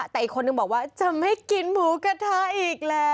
แต่อีกคนนึงบอกว่าจะไม่กินหมูกระทะอีกแล้ว